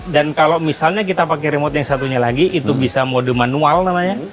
dan kalau misalnya kita pakai remote yang satunya lagi itu bisa mode manual namanya